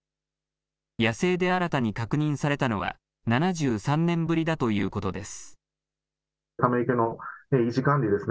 野生で新たに確認されたのは７３年ぶりだということです。